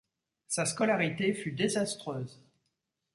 Sa scolarité fut désastreuse.